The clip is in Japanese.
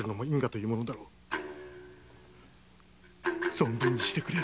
存分にしてくれ。